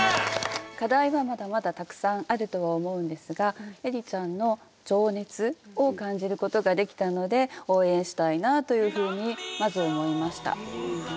課題はまだまだたくさんあるとは思うんですがえりちゃんの情熱を感じることができたので応援したいなというふうにまず思いました。